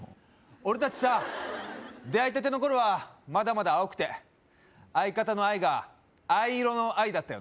俺達さ出会いたての頃はまだまだ青くて相方の「あい」が藍色の「藍」だったよ